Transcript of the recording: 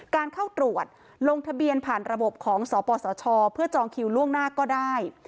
การเข้าตรวจลงทะเบียนผ่านระบบของสปสชเพื่อจองคิวล่วงหน้าก็ได้